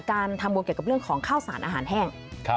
การทำบุญเกี่ยวกับเรื่องของข้าวสารอาหารแห้ง